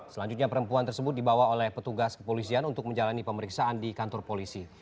selanjutnya perempuan tersebut dibawa oleh petugas kepolisian untuk menjalani pemeriksaan di kantor polisi